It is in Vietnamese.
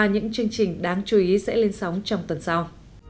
những chương trình đáng chú ý sẽ lên sóng trong tuần sau